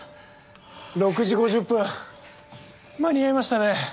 ６時５０分間に合いましたね。